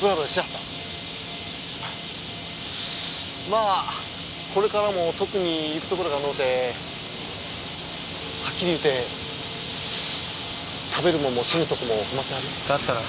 まあこれからも特に行くところがのうてはっきり言うて食べるもんも住むところも困ってはる？だったら？